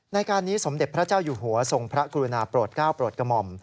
ในการนี้สมเด็จพระเจ้าอยู่หัวทรงพระกรุณาโปรดก้าวโปรดกระหม่อม